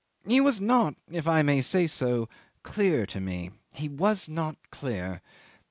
He was not if I may say so clear to me. He was not clear.